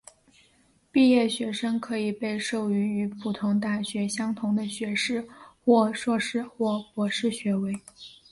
毕业学生可以被授予与普通大学相同的学士或硕士或博士学位。